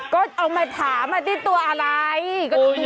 ก็เอามาถามที่ตัวอะไร